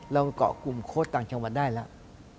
เราเกาะกลุ่มโค้ดต่างจังหวัดได้แล้ว